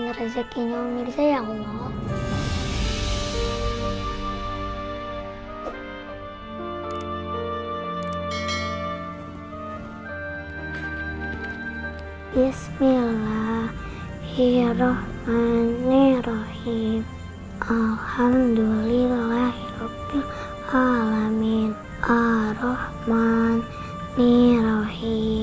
cari rezekinya umir sayang allah